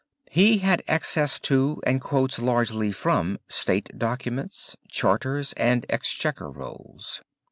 He had access to and quotes largely from state documents, charters, and exchequer rolls.